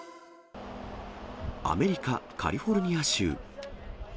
アメリカ・カリフォルニア州。